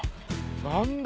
何だ